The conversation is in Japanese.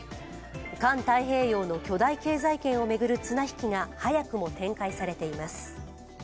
環太平洋の巨大経済圏を巡る綱引きが早くも展開されています。